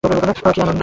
ওহ, কী আনন্দ।